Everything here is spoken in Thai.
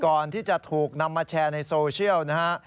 ก่อนที่จะถูกนำมาแชร์ในโซเชียลนะฮะ